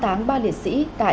tại nghĩa trang liệt sĩ thành phố